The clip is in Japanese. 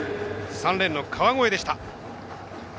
３レーンの川越です。